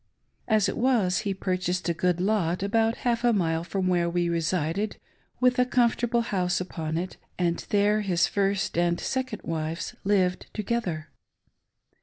As it was, he purchased a good lot about half a mile from where we resided, with a comfortable house upon it ; and there his first and second wives lived together.